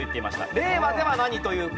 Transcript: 令和では何と言うか。